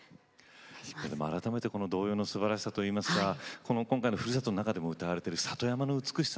改めてこの童謡のすばらしさといいますか今回の「故郷」の中でも歌われている里山の美しさ。